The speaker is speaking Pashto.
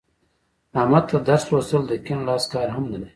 احمد ته درس لوستل د کیڼ لاس کار هم نه دی.